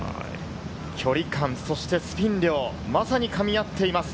距離感、そしてスピン量、まさに噛みあっています。